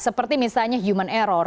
seperti misalnya human error